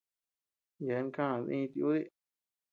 Yeabean käa diñu tiudi.